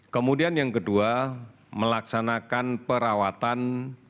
kemudian yang kedua melaksanakan perawatan